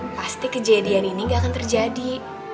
pasti kejadian ini gak akan terjadi